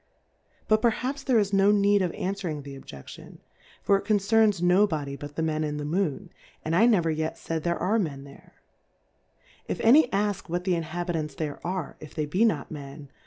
But perhaps there is no need of anfwering the Olje ciion^ for it concerns no Body but the Men in ^/;^Moon; andlneveryet faid there are Men there •// any ask what the Inhabitants there are^ if they be ?iot Men?